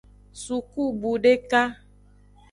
Sukubu deka.